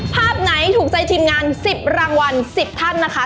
ภาพไหนถูกใจทีมงาน๑๐รางวัล๑๐ท่านนะคะ